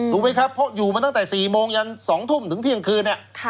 ถูกไหมครับเพราะอยู่มาตั้งแต่๔โมงยัน๒ทุ่มถึงเที่ยงคืน